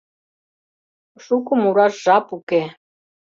Шуко мураш жап уке